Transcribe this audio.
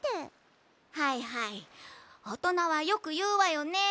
はいはいおとなはよくいうわよね。